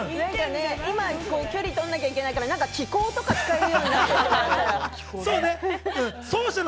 今、距離を取らなきゃいけないから、気功とか使えるようになったほうがいいね。